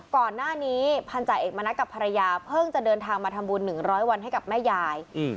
ก่อนหน้านี้พันธาเอกมณัฐกับภรรยาเพิ่งจะเดินทางมาทำบุญ๑๐๐วันให้กับแม่ยาย